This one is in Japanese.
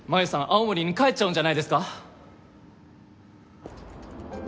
青森に帰っちゃうんじゃないですか？